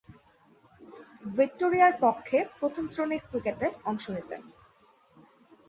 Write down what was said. ভিক্টোরিয়ার পক্ষে প্রথম-শ্রেণীর ক্রিকেটে অংশ নিতেন।